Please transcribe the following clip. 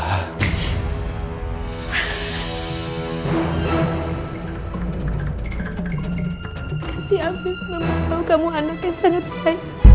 kasih afif membawa kamu anak yang sangat baik